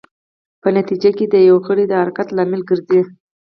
په نتېجه کې د یو غړي د حرکت لامل ګرځي.